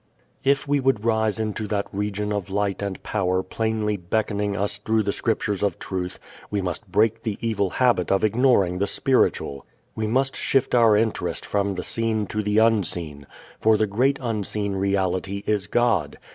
If we would rise into that region of light and power plainly beckoning us through the Scriptures of truth we must break the evil habit of ignoring the spiritual. We must shift our interest from the seen to the unseen. For the great unseen Reality is God.